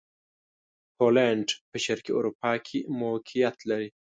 پولېنډ په شرقي اروپا کښې موقعیت لري.